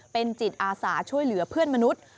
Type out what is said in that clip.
เป็นจิตอาสาช่วยเหลือเพื่อนมนุษย์